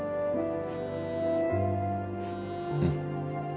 うん。